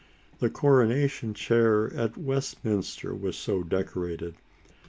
The coronation chair at Westminster was so decorated.